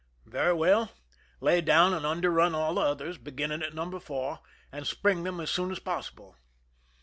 " Very well ; lay down and underrun all the others, beginning at No. 4, and spring them as soon as possible."